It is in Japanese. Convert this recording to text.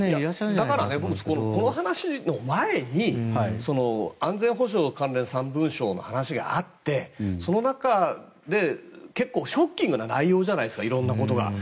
だから、この話の前に安全保障関連三文書の話があって、その中で結構ショッキングな内容じゃないですかいろんなことが。